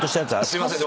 すいません。